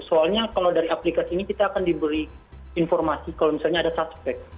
soalnya kalau dari aplikasi ini kita akan diberi informasi kalau misalnya ada suspek